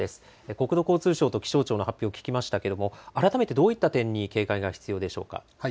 国土交通省と気象庁の発表を聞きましたけれど改めてどういった点に警戒が必要でしょうか。